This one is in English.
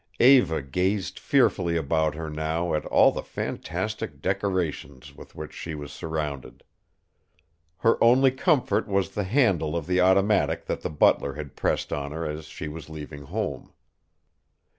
Eva gazed fearfully about her now at all the fantastic decorations with which she was surrounded. Her only comfort was the handle of the automatic that the butler had pressed on her as she was leaving home.